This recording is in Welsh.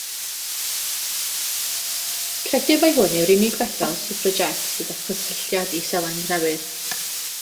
Credir mai hwn yw'r unig fedal swffragét gyda chysylltiad i Seland Newydd.